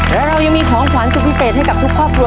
และเรายังมีของขวัญสุดพิเศษให้กับทุกครอบครัว